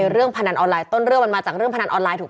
เรื่องพนันออนไลน์ต้นเรื่องมาจากเรื่องพนันออนไลน์